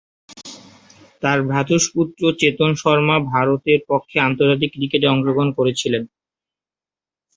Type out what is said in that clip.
তার ভ্রাতুষ্পুত্র চেতন শর্মা ভারতের পক্ষে আন্তর্জাতিক ক্রিকেটে অংশগ্রহণ করেছিলেন।